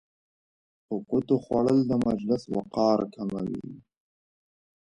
په ګوتو خوړل د مجلس وقار کموي.